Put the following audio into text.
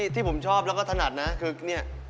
ที่ผมชอบแล้วก็ถนัดนะคือเนี่ย